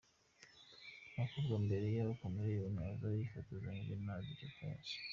Aba bakobwa mbere yuko Chameleone aza bifotozanyije na Dj Pius.